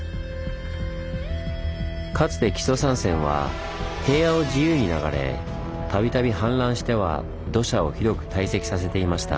かつて木曽三川は平野を自由に流れ度々氾濫しては土砂を広く堆積させていました。